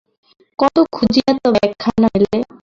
কত খুঁজিয়া তবে একখানা মেলে।